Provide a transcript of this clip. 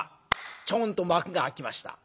チョンと幕が開きました。